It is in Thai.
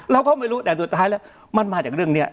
เราก็ไม่รู้แต่สุดท้ายแล้วมันมาจากเรื่องนี้